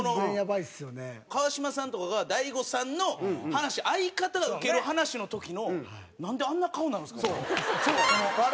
川島さんとかが大悟さんの話相方がウケる話の時のなんであんな顔になるんですか？笑